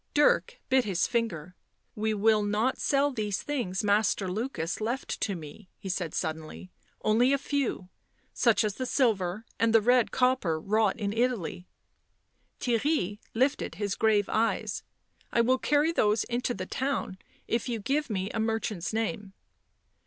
Dirk bit his finger. "We will not sell these things Master Lukas left to me," he said suddenly. " Only a few. Such as the silver and the red copper wrought in Italy." Theirry lifted his grave eyes. " I will carry those into the town if you give me a merchant's name."